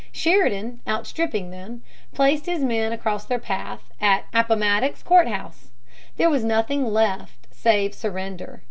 Sheridan, outstripping them, placed his men across their path at Appomattox Court House. There was nothing left save surrender.